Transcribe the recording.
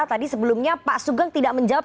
tadi sebelumnya pak sugeng tidak menjawab